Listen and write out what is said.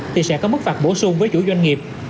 thì sẽ có mức phạt bổ sung với chủ doanh nghiệp